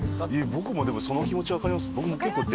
僕もでもその気持ち分かります。